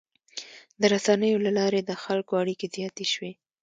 د رسنیو له لارې د خلکو اړیکې زیاتې شوي.